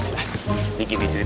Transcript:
ini gini ceritanya